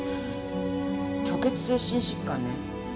虚血性心疾患ね。